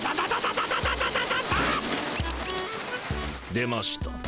出ました。